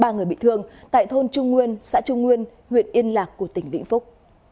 ba người bị thương tại thôn trung nguyên xã trung nguyên huyện yên lạc của tỉnh vĩnh phúc